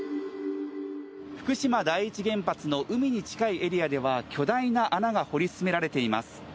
福島第一原発の海に近いエリアでは巨大な穴が掘り進められています。